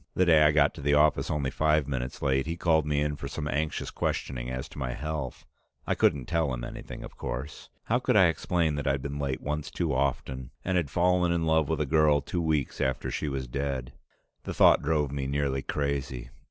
The day I got to the office only five minutes late, he called me in for some anxious questioning as to my health. I couldn't tell him anything, of course. How could I explain that I'd been late once too often, and had fallen in love with a girl two weeks after she was dead? The thought drove me nearly crazy.